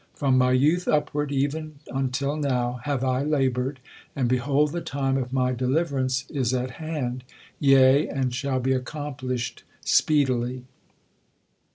From my youth upward, even until now, have I laboured, and behold the time of my deliverance is at hand; yea, and shall be accomplished speedily.